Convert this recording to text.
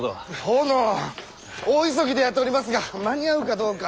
殿大急ぎでやっておりますが間に合うかどうか。